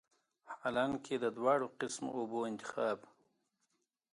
حالانکه د دواړو قسمه اوبو انتخاب